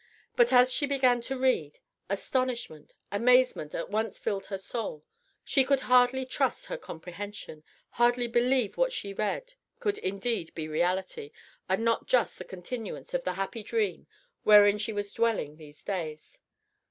But as she began to read, astonishment, amazement at once filled her soul: she could hardly trust her comprehension, hardly believe that what she read could indeed be reality, and not just the continuance of the happy dream wherein she was dwelling these days.